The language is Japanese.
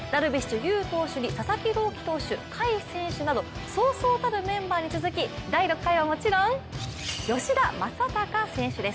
有投手に佐々木朗希投手、甲斐選手などそうそうたるメンバーに続き第６回はもちろん、吉田正尚選手です。